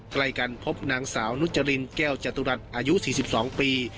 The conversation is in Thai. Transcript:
ใกล้กันพบนางสาวนุจรินแก้วจตุรัสอายุ๔๒ปี